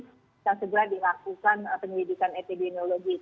kita juga melakukan penyelidikan epidemiologi